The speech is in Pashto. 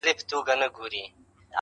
رهنما ته د ګروۍ د کور